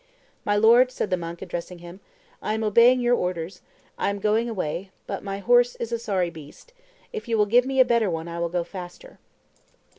"My lord," said the monk, addressing him, "I am obeying your orders; I am going away, but my horse is a sorry beast; if you will give me a better one, I will go faster."